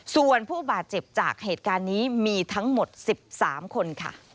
ส่วนผู้บาดเจ็บจากเหตุการณ์นี้มีทั้งหมด๑๓คนค่ะ